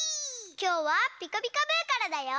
きょうは「ピカピカブ！」からだよ。